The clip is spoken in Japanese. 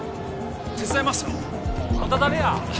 手伝いますよあんた誰や？